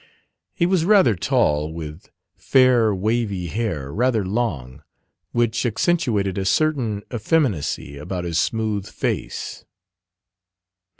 He was rather tall with fair wavy hair, rather long, which accentuated a certain effeminacy about his smooth face.